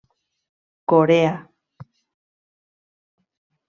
Corea.